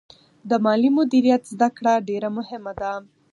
د مالي مدیریت زده کړه ډېره مهمه ده.